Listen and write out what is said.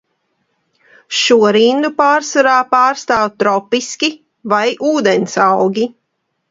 Šo rindu pārsvarā pārstāv tropiski vai ūdensaugi.